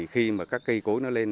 khi cây cối lên